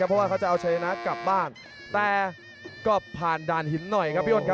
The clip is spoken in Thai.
เพราะว่าเขาจะเอาชัยชนะกลับบ้านแต่ก็ผ่านด่านหินหน่อยครับพี่อ้นครับ